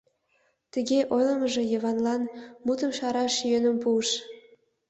Тыге ойлымыжо Йыванлан мутым шараш йӧным пуыш.